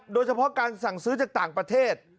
โดยเฉพาะการสั่งซื้อจากต่างประเทศ